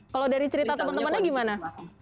kalau dari cerita teman temannya gimana